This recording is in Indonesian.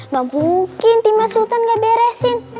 mungkin timnya sultan ga beresin